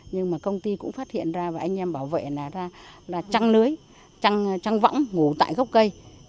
nhưng mà công ty cũng phát hiện ra và anh em bảo vệ là trăng lưới trăng võng ngủ tại gốc cây